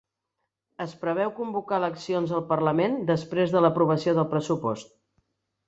Es preveu convocar eleccions al parlament després de l'aprovació del pressupost